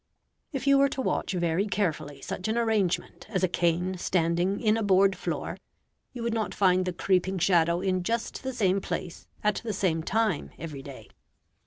If you were to watch very carefully such an arrangement as a cane standing in a board floor, you would not find the creeping shadow in just the same place at the same time every day.